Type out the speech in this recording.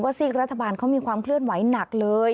ซีกรัฐบาลเขามีความเคลื่อนไหวหนักเลย